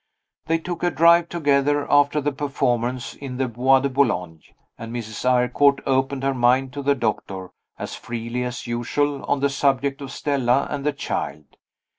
They took a drive together, after the performance, in the Bois de Boulogne; and Mrs. Eyrecourt opened her mind to the doctor, as freely as usual, on the subject of Stella and the child.